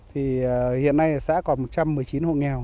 hiện nay xã còn một trăm một mươi chín hộ